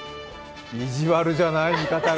意地悪じゃない、見方が。